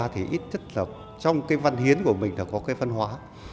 trong cái văn hiến của mình là có cái văn hóa